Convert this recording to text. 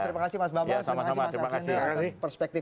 terima kasih mas bapak